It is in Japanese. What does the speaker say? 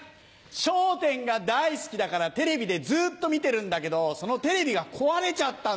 『笑点』が大好きだからテレビでずっと見てるんだけどそのテレビが壊れちゃったんだよね。